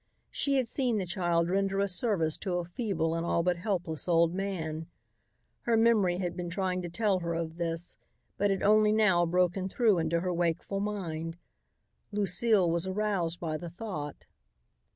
She had seen the child render a service to a feeble and all but helpless old man. Her memory had been trying to tell her of this but had only now broken through into her wakeful mind. Lucile was aroused by the thought.